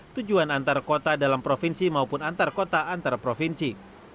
tujuan antar kota dalam provinsi maupun antar kota antar provinsi